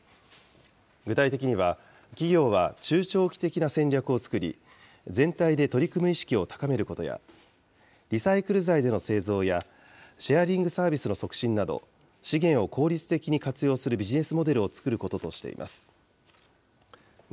具体的には、企業は中長期的な戦略を作り、全体で取り組む意識を高めることや、リサイクル材での製造やシェアリングサービスの促進など、資源を効率的に活用するビジネスモデルを作ることとしています。